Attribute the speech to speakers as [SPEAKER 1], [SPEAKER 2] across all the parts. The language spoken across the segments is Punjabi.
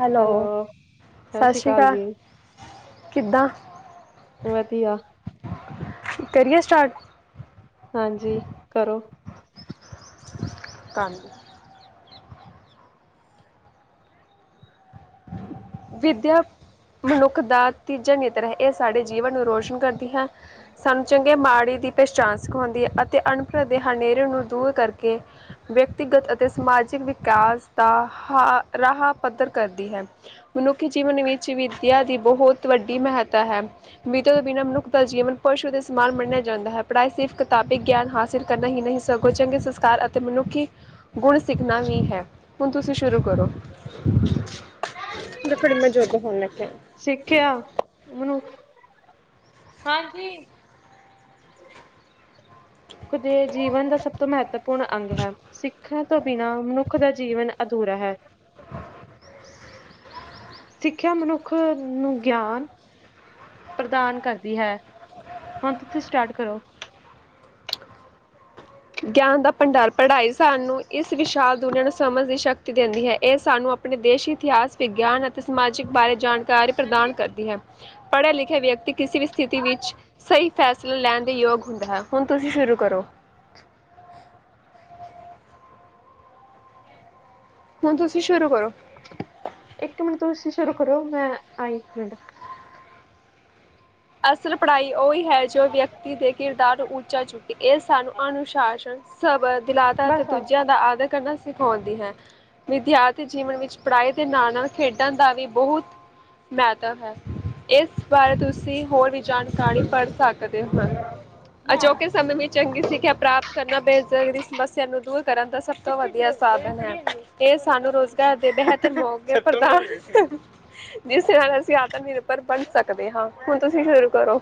[SPEAKER 1] ਹੈਲੋ ਸਤਿ ਸ਼੍ਰੀ ਅਕਾਲ, ਕਿੱਦਾਂ?
[SPEAKER 2] ਵਧੀਆ,
[SPEAKER 1] ਕਰੀਏ ਸਟਾਰਟ
[SPEAKER 2] ਹਾਂਜੀ ਕਰੋ,
[SPEAKER 1] ਕੰਮ, ਵਿੱਦਿਆ ਮਨੁੱਖ ਦਾ ਤੀਜਾ ਨੇਤਰ ਹੈ, ਇਹ ਸਾਡੇ ਜੀਵਨ ਨੂੰ ਰੋਸ਼ਨ ਕਰਦੀ ਹੈ। ਸਾਨੂੰ ਚੰਗੇ ਮਾੜੇ ਦੀ ਪਹਿਚਾਣ ਸਿਖਾਉਂਦੀ ਹੈ, ਅਤੇ ਅਨਪੜ ਦੇ ਹਨੇਰੇ ਨੂੰ ਦੂਰ ਕਰਕੇ ਵਿਅਕਤੀਗਤ ਅਤੇ ਸਮਾਜਿਕ ਵਿਕਾਸ ਦਾ ਹ ਰਾਹ ਪੱਧਰ ਕਰਦੀ ਹੈ। ਮਨੁੱਖੀ ਜੀਵਨ ਵਿੱਚ ਵਿੱਦਿਆ ਦੀ ਬਹੁਤ ਵੱਡੀ ਮਹੱਤਾ ਹੈ, ਵਿੱਦਿਆ ਤੋਂ ਬਿਨਾਂ ਮਨੁੱਖ ਦਾ ਜੀਵਨ ਪਸ਼ੂ ਦੇ ਸਮਾਨ ਮੰਨਿਆ ਜਾਂਦਾ ਹੈ, ਪੜ੍ਹਾਈ ਸਿਰਫ਼ ਕਿਤਾਬੀ ਗਿਆਨ ਹਾਸਿਲ ਕਰਨਾ ਹੀ ਨਹੀਂ ਸਗੋ ਚੰਗੇ ਸੰਸਕਾਰ ਅਤੇ ਮਨੁੱਖੀ ਗੁਣ ਸਿੱਖਣਾ ਵੀ ਹੈ ਹੁਣ ਤੁਸੀਂ ਸ਼ੁਰੂ ਕਰੋ। ਥੜੀ ਮੌਜੂਦ ਹੋਣ ਲੱਗੇ।
[SPEAKER 2] ਸਿੱਖਿਆ ਉਹਨੂੰ ਹਾਂਜੀ। ਜੀਵਨ ਦਾ ਸਭ ਤੋਂ ਮਹੱਤਵਪੂਰਨ ਅੰਗ ਹੈ। ਸਿੱਖਾਂ ਤੋਂ ਬਿਨਾਂ ਮਨੁੱਖ ਦਾ ਜੀਵਨ ਅਧੂਰਾ ਹੈ।
[SPEAKER 1] [unintelligible]
[SPEAKER 2] ਸਿੱਖਿਆ ਮਨੁੱਖ ਨੂੰ ਗਿਆਨ ਪ੍ਰਦਾਨ ਕਰਦੀ ਹੈ, ਹੁਣ ਤੁਸੀਂ ਸਟਾਰਟ ਕਰੋ।
[SPEAKER 1] ਗਿਆਨ ਦਾ ਭੰਡਾਰ ਪੜ੍ਹਾਈ ਸਾਨੂੰ ਇਸ ਵਿਸ਼ਾਲ ਦੁਨੀਆਂ ਨੂੰ ਸਮਝ ਦੀ ਸ਼ਕਤੀ ਦਿੰਦੀ ਹੈ ਇਹ ਸਾਨੂੰ ਆਪਣੇ ਦੇਸ਼ ਇਤਿਹਾਸ ਵਿਗਿਆਨ ਸਮਾਜਿਕ ਬਾਰੇ ਜਾਣਕਾਰੀ ਪ੍ਰਦਾਨ ਕਰਦੀ ਹੈ, ਪੜ੍ਹੇ ਲਿਖੇ ਵਿਅਕਤੀ। ਕਿਸੇ ਵੀ ਸਥਿਤੀ ਵਿੱਚ ਸਹੀ ਫੈਸਲਾ ਲੈਣ ਦੇ ਯੋਗ ਹੁੰਦਾ ਹੈ, ਹੁਣ ਤੁਸੀਂ ਸ਼ੁਰੂ ਕਰੋ। [unintelligible]
[SPEAKER 2] [unintelligible]
[SPEAKER 1] ਹੁਣ ਤੁਸੀਂ ਸ਼ੁਰੂ ਕਰੋ।
[SPEAKER 2] ਇੱਕ ਮਿੰਟ ਤੁਸੀਂ ਸ਼ੁਰੂ ਕਰੋ ਮੈਂ ਆਈ ਇੱਕ ਮਿੰਟ
[SPEAKER 1] ਅਸਲ ਪੜ੍ਹਾਈ ਉਹੀ ਹੈ, ਜੋ ਵਿਅਕਤੀ ਦੇ ਕਿਰਦਾਰ ਨੂੰ ਉੱਚਾ ਚੁੱਕੇ ਇਹ ਸਾਨੂੰ ਅਨੁਸ਼ਾਸਨ ਸਭ ਦਲਾਦ ਅਤੇ
[SPEAKER 2] ਬਸ ਆ।
[SPEAKER 1] ਦੂਜਿਆਂ ਦਾ ਆਦਰ ਕਰਨਾ ਸਿਖਾਉਂਦੀ ਹੈ। ਵਿਦਿਆਰਥੀ ਜੀਵਨ ਵਿੱਚ ਪੜ੍ਹਾਈ ਦੇ ਨਾਲ ਨਾਲ ਖੇਡਾਂ ਦਾ ਵੀ ਬਹੁਤ ਫਾਇਦਾ ਹੈ ਇਸ ਬਾਰੇ ਤੁਸੀ ਤੁਸੀ ਹੋਰ ਵੀ ਜਾਣਕਾਰੀ ਪੜ੍ਹ ਸਕਦੇ ਹੋ ਅਜੋਕੇ ਸਮੇਂ ਵਿੱਚ ਚੰਗੀ ਸਿੱਖਿਆ ਪ੍ਰਾਪਤ ਕਰਨਾ ਬੇਜ਼ਗਰੀ ਸਮੱਸਿਆ ਨੂੰ ਦੂਰ ਕਰਨ ਦਾ ਸਭ ਤੋਂ ਵਧੀਆ ਸਾਧਨ ਹੈ। ਇਹ ਸਾਨੂੰ ਰੁਜ਼ਗਾਰ ਦੇ ਰਿ ਤੇ [inaudible] ਜਿਸਦੇ ਨਾਲ ਅਸੀਂ ਆਤਮ ਨਿਰਭਰ ਬਣ ਸਕਦੇ ਹਾਂ ਹੁਣ ਤੁਸੀਂ ਸ਼ੁਰੂ ਕਰੋ।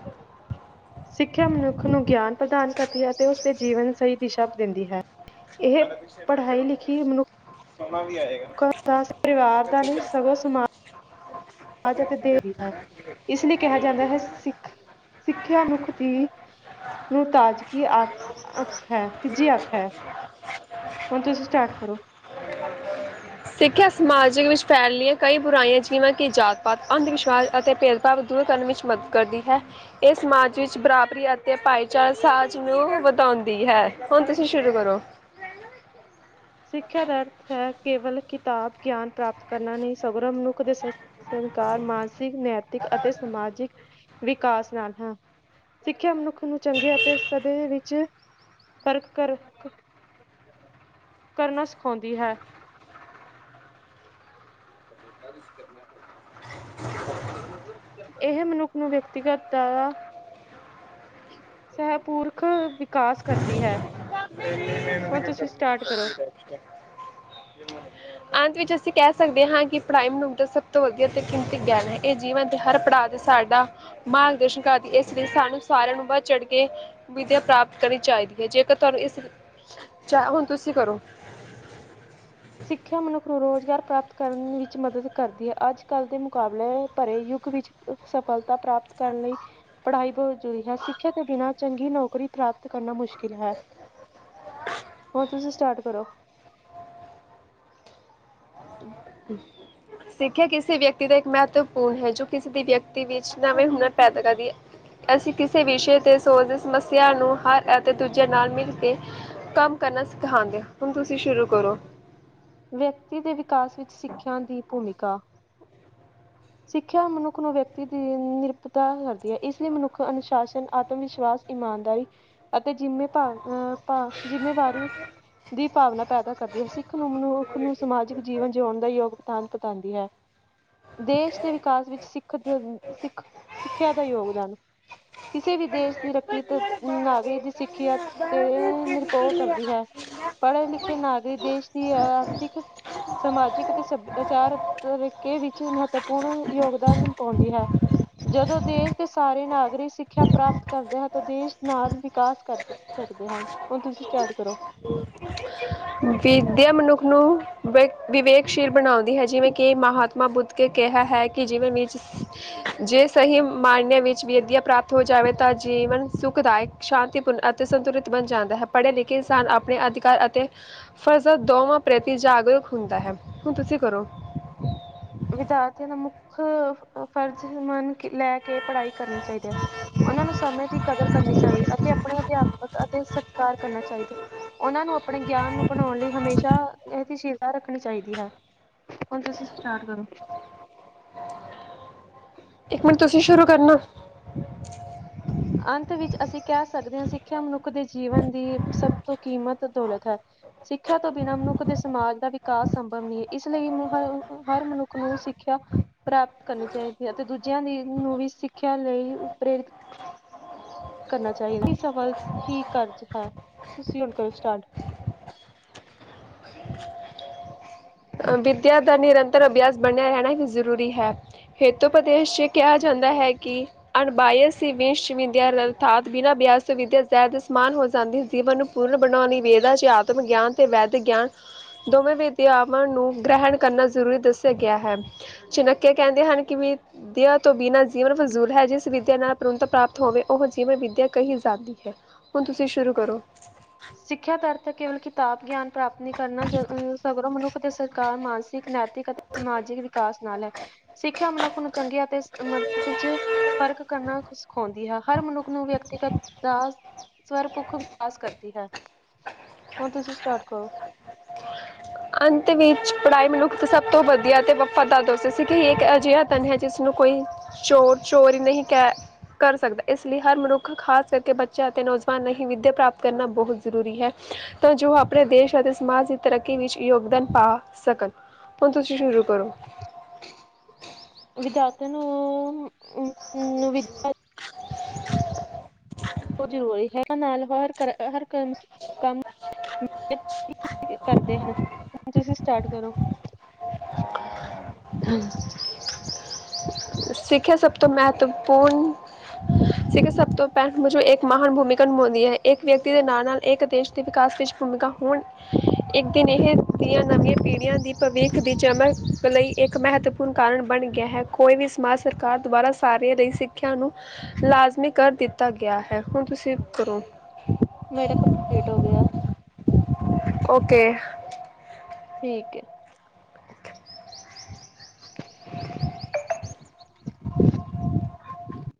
[SPEAKER 2] ਸਿੱਖਿਆ ਮਨੁੱਖ ਨੂੰ ਗਿਆਨ ਪ੍ਰਦਾਨ ਕਰਦੀ ਹੈ ਅਤੇ ਉਸਦੇ ਜੀਵਨ ਸਹੀ ਦਿਸ਼ਾ ਦਿੰਦੀ ਹੈ। ਇਹ ਪੜ੍ਹਾਈ ਲਿਖੀ ਮਨੁੱਖ
[SPEAKER 1] [inaudible] ਸੋਨਾ ਵੀ ਆਏਗਾ।
[SPEAKER 2] [inaudible] ਦਾਸ ਪਰਿਵਾਰ ਦਾ ਨ ਸਗੋਂ ਸਮਾਜ ਅਤੇ ਦੇ [unintelligible] ਵੀ ਹੈ ਇਸ ਲਈ ਕਿਹਾ ਜਾਂਦਾ ਹੈ ਸਿੱਖ ਸਿੱਖਿਆ ਮਨੁੱਖ ਦੀ ਮੁਤਾਜਕੀ ਆਖ ਅੱਖ ਹੈ ਤੀਜੀ ਅੱਖ ਹੈ। ਹੁਣ ਤੁਸੀਂ ਸਟਾਰਟ ਕਰੋ।
[SPEAKER 1] ਸਿੱਖਿਆ ਸਮਾਜ ਵਿੱਚ ਫੈਲੀਆਂ ਕਈ ਬੁਰਾਈਆਂ 'ਚ ਜਿਵੇਂ ਕਿ ਜਾਤ ਪਾਤ ਅੰਧ ਵਿਸ਼ਵਾਸ ਅਤੇ ਭੇਦਭਾਵ ਦੂਰ ਕਰਨ ਵਿੱਚ ਮਦਦ ਕਰਦੀ ਹੈ ਇਹ ਸਮਾਜ ਵਿੱਚ ਬਰਾਬਰੀ ਅਤੇ ਭਾਈਚਾਰ ਸਾਜ ਨੂੰ ਵਧਾਉਂਦੀ ਹੈ ਹੁਣ ਤੁਸੀਂ ਸ਼ੁਰੂ ਕਰੋ।
[SPEAKER 2] ਸਿੱਖਿਆ ਦਾ ਅਰਥ ਹੈ ਕੇਵਲ ਕਿਤਾਬ ਗਿਆਨ ਪ੍ਰਾਪਤ ਕਰਨਾ ਨਹੀਂ ਸਗਰਾ ਮਨੁੱਖ ਦੇ ਸ ਸਰਕਾਰ ਮਾਨਸਿਕ ਨੈਤਿਕ ਅਤੇ ਸਮਾਜਿਕ ਵਿਕਾਸ ਨਾਲ ਹਾਂ ਸਿੱਖਿਆ ਮਨੁੱਖ ਨੂੰ ਚੰਗੇ ਅਤੇ ਸਦੇ ਵਿੱਚ ਫਰਕ ਕਰ ਕਰਨਾ ਸਿਖਾਉਂਦੀ ਹੈ। [inaudible] ਇਹ ਮਨੁੱਖ ਨੂੰ ਵਿਅਕਤੀਗਤ ਦਾ ਸਹਿਪੁਰਖ ਕਾਸ ਕਰਦੀ ਹੈ ਹੁਣ ਤੁਸੀਂ ਸਟਾਰਟ ਕਰੋ।
[SPEAKER 1] [inaudible] ਅੰਤ ਵਿੱਚ ਅਸੀਂ ਕਹਿ ਸਕਦੇ ਹਾਂ ਕਿ ਪੜ੍ਹਾਈ ਮਨੁੱਖ ਦਾ ਸਭ ਤੋਂ ਵਧੀਆ ਤੇ ਕੀਮਤੀ ਗਿਆਨ ਹੈ ਇਹ ਜੀਵਨ ਦੇ ਹਰ ਪੜ੍ਹਅ ਸਾਡਾ ਮਾਰਗ ਦਰਸ਼ਨ ਕਰਦੀ ਇਸ ਲਈ ਸਾਨੂੰ ਸਾਰਿਆਂ ਨੂੰ ਵੱਧ ਚੜ ਕੇ ਵਿੱਦਿਆ ਪ੍ਰਾਪਤ ਕਰਨੀ ਚਾਹੀਦੀ ਹੈ ਜੇਕਰ ਤੁਹਾਨੂੰ ਇਸ ਚਾਹ ਹੁਣ ਤੁਸੀਂ ਕਰੋ।
[SPEAKER 2] ਸਿੱਖਿਆ ਮਨੁੱਖ ਨੂੰ ਰੁਜ਼ਗਾਰ ਪ੍ਰਾਪਤ ਕਰਨ ਵਿੱਚ ਮਦਦ ਕਰਦੀ ਹੈ ਅੱਜ ਕੱਲ੍ਹ ਦੇ ਮੁਕਾਬਲੇ ਭਰੇ ਯੁੱਗ ਵਿੱਚ ਸਫਲਤਾ ਪ੍ਰਾਪਤ ਕਰਨ ਲਈ ਪੜ੍ਹਾਈ ਬਹੁਤ ਜ਼ਰੂਰੀ ਹੈ ਸਿੱਖਿਆ ਤੋਂ ਬਿਨਾਂ ਚੰਗੀ ਨੌਕਰੀ ਪ੍ਰਾਪਤ ਕਰਨਾ ਮੁਸ਼ਕਿਲ ਹੈ। ਹੁਣ ਤੁਸੀ ਸਟਾਰਟ ਕਰੋ। ਹੂੰ
[SPEAKER 1] ਸਿੱਖਿਆ ਕਿਸੇ ਵਿਅਕਤੀ ਦਾ ਇੱਕ ਮਹੱਤਵਪੂਰਨ ਹੈ ਜੋ ਕਿਸੇ ਦੀ ਵਿਅਕਤੀ ਦੇ ਵਿੱਚ ਨਵੇ ਹੁਰਨ ਪੈਦਾ ਕਰਦੀ ਏ। ਅਸੀਂ ਕਿਸੇ ਵਿਸ਼ੇ ਤੇ ਸੋਚਦੇ ਸਮੱਸਿਆ ਨੂੰ ਹਰ ਅਤੇ ਦੂਜੇ ਨਾਲ ਮਿਲ ਕੇ ਕੰਮ ਕਰਨਾ ਸਿਖਾਉਂਦੇ ਆ ਹੁਣ ਤੁਸੀਂ ਸ਼ੁਰੂ ਕਰੋ।
[SPEAKER 2] ਵਿਅਕਤੀ ਦੇ ਵਿਕਾਸ ਵਿੱਚ ਸਿੱਖਿਆ ਦੀ ਭੂਮਿਕਾ ਸਿੱਖਿਆ ਮਨੁੱਖ ਨੂੰ ਵਿਅਕਤੀ ਦੀ ਨਿਰਪਤਾ ਕਰਦੀ ਹੈ ਇਸ ਲਈ ਮਨੁੱਖ ਅਨੁਸ਼ਾਸਨ ਆਤਮ ਵਿਸ਼ਵਾਸ ਇਮਾਨਦਾਰੀ ਅਤੇ ਜਿੰਮੇ ਭਾਵ ਅਹ ਭਾ ਜਿੰਮੇਵਾਰੀ ਦੀ ਭਾਵਨਾ ਪੈਦਾ ਕਰਦੀ ਹੈ ਸਿੱਖ ਨੂੰ ਮਨੁਖ ਨੂੰ ਸਮਾਜਿਕ ਜੀਵਨ ਜਿਉਣ ਦਾ ਯੋਗ ਪਾਨ ਪਤਾਉਂਦੀ ਹੈ। ਦੇਸ਼ ਦੇ ਵਿਕਾਸ ਵਿੱਚ ਸਿੱ ਸਿੱਖ ਸਿੱਖਿਆ ਦਾ ਯੋਗਦਾਨ ਕਿਸੇ ਵੀ ਦੇਸ਼ ਦੀ ਰੱਕੀਅਤ ਨਾਗਰਿਕ ਦੀ ਸਿੱਖਿਆ ਤੇ ਨਿਰਪੋ ਕਰਦੀ ਹੈ। ਪੜ੍ਹੇ ਲਿਖੇ ਨਾਗਰਿਕ ਦੇਸ਼ ਦੀ ਆਰਥਿਕ ਸਮਾਜਿਕ ਤੇ ਸਭਿਆਚਾਰ ਤਰੀਕੇ ਵਿੱਚ ਮਹੱਤਵਪੂਰਨ ਯੋਗਦਾਨ ਪਾਉਂਦੀ ਹੈ। ਜਦੋਂ ਦੇਸ਼ ਦੇ ਸਾਰੇ ਨਾਗਰਿਕ ਸਿੱਖਿਆ ਪ੍ਰਾਪਤ ਕਰਦੇ ਹੈ ਤਾਂ ਦੇਸ਼ ਨਾਲ ਵਿਕਾਸ ਕਰਦੇ। ਸਕਦੇ ਹਾਂ, ਹੁਣ ਤੁਸੀਂ ਸਟਾਰਟ ਕਰੋ।
[SPEAKER 1] ਵਿਦਿਆ ਮਨੁੱਖ ਨੂੰ ਵਿ ਵਿਵੇਕਸ਼ੀਲ ਬਣਾਉਂਦੀ ਹੈ, ਜਿਵੇਂ ਕਿ ਮਹਾਤਮਾ ਬੁੱਧ ਕੇ ਕਿਹਾ ਹੈ ਕਿ ਜੀਵਨ ਵਿੱਚ ਜੇ ਸਹੀ ਮਾਈਨੇ ਵਿੱਚ ਵਿਦਿਆ ਪ੍ਰਾਪਤ ਹੋ ਜਾਵੇ ਤਾਂ ਜੀਵਨ ਸੁਖਦਾਏ ਸ਼ਾਂਤੀਪੂਰਨ ਅਤੇ ਸੰਤੁਲਿਤ ਬਣ ਜਾਂਦਾ ਹੈ ਪੜ੍ਹੇ ਲਿਖੇ ਇਨਸਾਨ ਆਪਣੇ ਅਧਿਕਾਰ ਅਤੇ ਫਰਜ਼ਤ ਦੋਵਾਂ ਪ੍ਰਤੀ ਜਾਗਰੂਕ ਹੁੰਦਾ ਹੈ। ਹੁਣ ਤੁਸੀਂ ਕਰੋ।
[SPEAKER 2] ਵਿਦਿਆਰਥੀਆਂ ਦਾ ਮੁੱਖ, ਫਰਜ਼ ਮੰਨ ਕੇ ਲੈ ਕੇ ਪੜ੍ਹਾਈ ਕਰਨੇ ਚਾਈਦੀ ਹੈ, ਉਹਨਾਂ ਨੂੰ ਸਮੇਂ ਦੀ ਕਦਰ ਕਰਨੀ ਚਾਹੀਏ ਅਤੇ ਆਪਣੇ ਅਧਿਆਪਕ ਤੇ ਸਤਕਾਰ ਕਰਨਾ ਚਾਹੀਦਾ। ਉਹਨਾਂ ਨੂੰ ਆਪਣੇ ਗਿਆਨ ਨੂੰ ਬਣਾਉਣ ਲਈ ਹਮੇਸ਼ਾ, ਏਹਸ਼ੀਲਤਾ ਰੱਖਣੀ ਚਾਹੀਦੀ ਹੈ। ਹੁਣ ਤੁਸੀਂ ਸਟਾਰਟ ਕਰੋ। [inaudible]
[SPEAKER 1] ਇੱਕ ਮਿੰਟ ਤੁਸੀਂ ਸ਼ੁਰੂ ਕਰਨਾ।
[SPEAKER 2] ਅੰਤ ਵਿੱਚ ਅਸੀਂ ਕਹਿ ਸਕਦੇ ਆ, ਸਿੱਖਿਆ ਮਨੁੱਖ ਦੇ ਜੀਵਨ ਦੀ ਸਭ ਤੋਂ ਕੀਮਤ ਦੌਲਤ ਹੈ। ਸਿੱਖਿਆ ਤੋਂ ਬਿਨਾਂ ਮਨੁੱਖ ਦੇ ਸਮਾਜ ਦਾ ਵਿਕਾਸ ਸੰਭਵ ਨੀ ਏ, ਇਸ ਲਈ ਮੁਹ, ਹਰ ਮਨੁੱਖ ਨੂੰ ਸਿੱਖਿਆ ਪ੍ਰਾਪਤ ਕਰਨੀ ਚਾਈਦੀ ਹੈ ਅਤੇ ਦੂਜਿਆਂ ਦੀ ਨੂੰ ਵੀ ਸਿੱਖਿਆ ਲਈ ਪ੍ਰੇਰਿਤ ਕਰਨਾ ਚਾਹੀਦਾ, ਕੁੱਕੀ ਸਫਲ ਹੀ ਕਰਜ ਹੈ, ਤੁਸੀਂ ਹੁਣ ਕਰੋ ਸਟਾਰਟ।
[SPEAKER 1] ਵਿੱਦਿਆ ਦਾ ਨਿਰੰਤਰ ਅਭਿਆਸ ਬਣਿਆ ਰਹਿਣਾ ਹੀ ਜ਼ਰੂਰੀ ਹੈ। ਹੇਤੂ ਪ੍ਰਦੇਸ਼ ਚ ਏਹ ਕਿਹਾ ਜਾਂਦਾ ਹੈ ਕਿ ਅਣਬਾਈਸੀ ਵਿਸ਼ ਵਿਦਿਆ ਲੱਲਥਾਤ, ਬਿਨਾਂ ਅਭਿਆਸ ਤੋਂ ਵਿਦਿਆਨ ਜ਼ੇਰ ਦੇ ਸਮਾਨ ਹੋ ਜਾਂਦੀ ਹੁੰਦੀ, ਮੈਨੂੰ ਪੂਰਨ ਬਣਾਉਣੀ ਲਈ ਵੇਦਾਂ ਚ ਆਤਮ ਗਿਆਨ ਤੇ ਵੈਦਿਕ ਗਿਆਨ, ਦੋਵੇਂ ਵਿਦਿਆਵਾਂ ਨੂੰ ਗ੍ਰਹਿਣ ਕਰਨਾ ਜ਼ਰੂਰੀ ਦੱਸਿਆ ਗਿਆ ਹੈ। ਚਨੱਕੇਯਾ ਕਹਿੰਦੇ ਹਨ ਕਿ ਵੀ ਵਿੱਦਆ ਤੋਂ ਬਿਨਾਂ ਜੀਵਨ ਫਿਜ਼ੂਲ ਹੈ। ਜਿਸ ਵਿੱਦਿਆ ਨਾਲ ਪ੍ਰੰਤ ਪ੍ਰਾਪਤ ਹੋਵੇ, ਉਹ ਜੀਵਨ ਵਿੱਦਿਆ ਕਹੀ ਜਾ ਹੁੰਦੀ ਹੈ। ਹੁਣ ਤੁਸੀਂ ਸ਼ੁਰੂ ਕਰੋ।
[SPEAKER 2] ਸਿੱਖਿਆ ਦਾ ਅਰਥ ਕੇਵਲ ਕਿਤਾਬ ਗਿਆਨ ਪ੍ਰਾਪਤ ਨਈ ਕਰਨਾ। ਜ ਅਹ ਸਗਰੋਂ ਮਨੁ ਅਤੇ ਸਰਕਾਰ ਮਾਨਸਿਕ, ਨੈਤਿਕ ਅਤੇ ਸਮਾਜਿਕ ਵਿਕਾਸ ਨਾਲ ਹੈ। ਸਿੱਖਿਆ ਮਨੁੱਖ ਨੂੰ ਚੰਗੀ ਅਤੇ ਮਦਦ ਇੱਚ ਫ਼ਰਕ ਕਰਨਾ ਸਿਖਾਉਂਦੀ ਹਾ। ਹਰ ਮਨੁੱਖ ਨੂੰ ਵਿਅਕਤੀਗਤ ਦਾ ਸਵਰਪੁੱਖ ਵਿਕਾਸ ਕਰਦੀ ਹੈ। ਹੁਣ ਤੁਸੀਂ ਸਟਾਰਟ ਕਰੋ।
[SPEAKER 1] ਅੰਤ ਵਿੱਚ ਪੜ੍ਹਾਈ ਮਨੁੱਖ ਸਭ ਤੋਂ ਵਧੀਆ ਤੇ ਵਫ਼ਾਦਾਰ ਦ ਸੀ, ਕਿ [unintelligible] ਅਜਿਹਾ ਤੰਨ ਹੈ ਜਿਸਨੂੰ ਕੋਈ, ਚੋਰ-ਚੋਰ ਨਹੀਂ ਕਹਿ ਕਰ ਸਕਦਾ, ਇਸ ਲਈ ਹਰ ਮਨੁੱਖ ਖਾਸ ਕਰਕੇ ਬੱਚਿਆਂ ਅਤੇ ਨੌਜਵਾਨ ਨ ਹੀ, ਵਿੱਦਿਆ ਪ੍ਰਾਪਤ ਕਰਨਾ ਬਹੁਤ ਜ਼ਰੂਰੀ ਹੈ। ਤੋਂ ਜੋ ਆਪਣੇ ਦੇਸ਼ ਅਤੇ ਸਮਾਜ ਦੀ ਤਰੱਕੀ ਵਿੱਚ ਯੋਗਦਾਨ ਪਾ ਸਕਣ। ਹੁਣ ਤੁਸੀਂ ਸ਼ੁਰੂ ਕਰੋ।
[SPEAKER 2] ਵਿਦਿਆਥ ਨੂੰ ਅਮ ਵੀ ਜ਼ਰੂਰੀ ਹੈ। ਨਾਲ ਹਰ ਹਰਮ ਕੰਮ। ਕਰਦੇ ਹਨ, ਹੁਣ ਤੁਸੀਂ ਸਟਾਰਟ ਕਰੋ।
[SPEAKER 1] ਹਾਂ। ਸਿੱਖਿਆ ਸਭ ਤੋਂ ਮਹੱਤਵਪੂਰਨ ਸੀਖਿਆ ਸਭ ਤੋਂ ਪੈ ਮੁਜ, ਇੱਕ ਮਹਾਨ ਭੂਮਿਕਾ ਨਿਭਾਉਂਦੀ ਹੈ। ਏਕ ਵਿਅਕਤੀ ਦੇ ਨਾਲ-ਨਾਲ ਏਕ ਦੇਸ਼ ਦੇ ਵਿਕਾਸ ਵਿੱਚ ਭੂਮਿਕਾ ਹੋਣ ਇੱਕ ਦਿਨ ਇਹ ਦੀਆਂ ਨਵੀਆਂ ਪੀੜੀਆਂ ਦੀ ਭਵਿੱਖ ਦੀ ਚਮਕ ਲਈ, ਇੱਕ ਮਹੱਤਵਪੂਰ ਪੂਰਨ ਕਾਰਨ ਬਣ ਗਿਆ ਹੈ। ਕੋਈ ਵੀ ਸਮਾਜ ਸਰਕਾਰ ਦੁਆਰਾ ਸਾਰਿਆਂ ਲਈ ਸਿੱਖਿਆ ਨੂੰ ਲਾਜ਼ਮੀ ਕਰ ਦਿੱਤਾ ਗਿਆ ਹੈ। ਹੁਣ ਤੁਸੀਂ ਕਰੋ।
[SPEAKER 2] ਮੇਰਾ ਕੰਪਲੀਟ ਹੋ ਗਿਆ।
[SPEAKER 1] ਓਕੇ।
[SPEAKER 2] ਠੀਕ ਏ। ਹੂੰ।